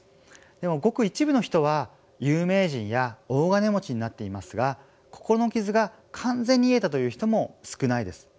でもごく一部の人は有名人や大金持ちになっていますが心の傷が完全に癒えたという人も少ないです。